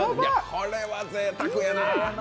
これはぜいたくやな。